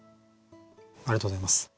ありがとうございます。